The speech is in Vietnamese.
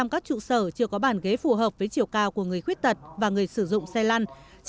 năm mươi tám các trụ sở chưa có bàn ghế phù hợp với chiều cao của người khuyết tật và người sử dụng xe lăn